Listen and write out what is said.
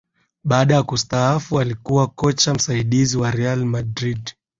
Baada ya kustaafu alikuwa kocha msaidizi wa Real Madrid